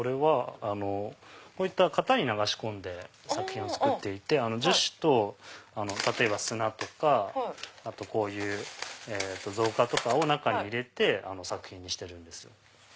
こういった型に流し込んで作品を作っていて樹脂と例えば砂とかこういう造花とかを中に入れて作品にしてるんです。